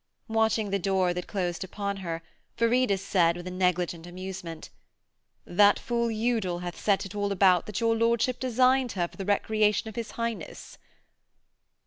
Watching the door that closed upon her, Viridus said, with a negligent amusement: 'That fool Udal hath set it all about that your lordship designed her for the recreation of his Highness.'